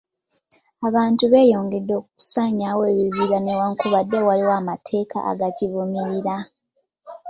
Abantu beeyongedde okusaanyaawo ebibira newankubadde waliwo amateeka agakivumirira.